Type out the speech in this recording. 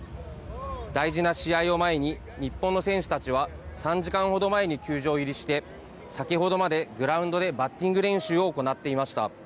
大事な試合を前に、日本の選手たちは、３時間ほど前に球場入りして、先ほどまでグラウンドでバッティング練習を行っていました。